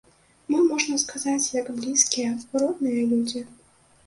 Мы, можна сказаць, як блізкія, родныя людзі.